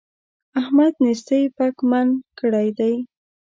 احمد نېستۍ پک پمن کړی دی.